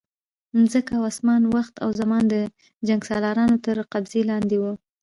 مځکه او اسمان، وخت او زمان د جنګسالارانو تر قبضې لاندې وو.